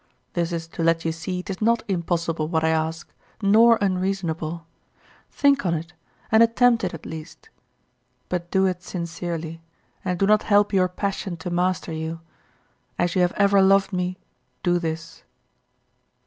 This is to let you see 'tis not impossible what I ask, nor unreasonable. Think on't, and attempt it at least; but do it sincerely, and do not help your passion to master you. As you have ever loved me do this.